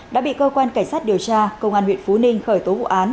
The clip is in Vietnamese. đã bị cơ quan cảnh sát điều tra công an huyện phú ninh khởi tố vụ án